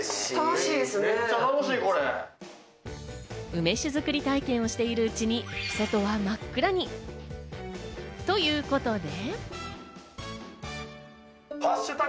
梅酒づくり体験をしているうちに外は真っ暗に。ということで。